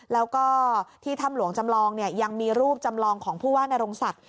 แล้วก็ที่ถ้ำหลวงจำลองยังมีรูปจำลองของผู้ว่านรงศักดิ์